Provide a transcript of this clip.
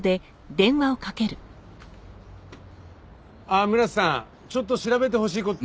ああ村瀬さんちょっと調べてほしい事。